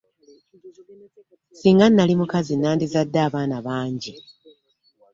Ssinga nali mukazi nandizadde abaana bangi.